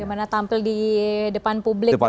bagaimana tampil di depan publik begitu ya